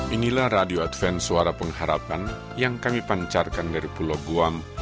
inilah radio advance suara pengharapan yang kami pancarkan dari pulau guam